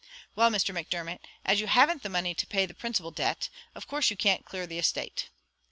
"Well, Mr. Macdermot, as you haven't the money to pay the principal debt, of course you can't clear the estate.